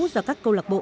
giữa các câu lạc bộ